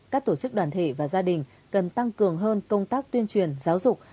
các tổ chức đoàn thể và gia đình cần tăng cường hơn công tác tuyên truyền giáo dục